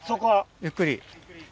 ゆっくり。